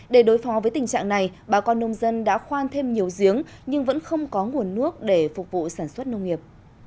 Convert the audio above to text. để đối phó với tình trạng này bà con nông dân đã khoan thêm nhiều giếng nhưng vẫn không có nguồn nước để phục vụ sản xuất nông nghiệp